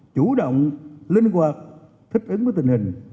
chủ động linh hoạt thích ứng với tình hình